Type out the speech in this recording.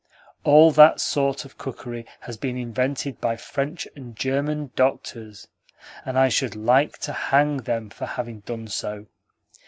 All that sort of cookery has been invented by French and German doctors, and I should like to hang them for having done so.